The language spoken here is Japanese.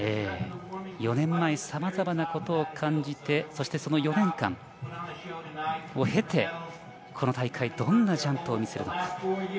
４年前、さまざまなことを感じてそして、その４年間を経てこの大会、どんなジャンプを見せるのか。